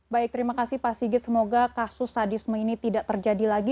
baik terima kasih pak sigit semoga kasus sadisme ini tidak terjadi lagi